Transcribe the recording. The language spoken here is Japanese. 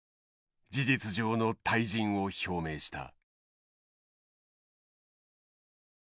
事実上の退陣を表明した。